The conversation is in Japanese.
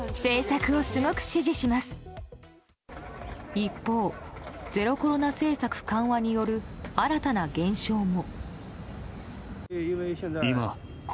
一方ゼロコロナ政策緩和による新たな現象も。